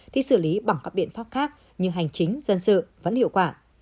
thì xử lý bằng các biện pháp khác như hành chính dân sự vẫn hiệu quả